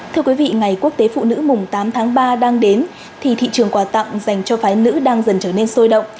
thưa quý vị ngày quốc tế phụ nữ mùng tám tháng ba đang đến thì thị trường quà tặng dành cho phái nữ đang dần trở nên sôi động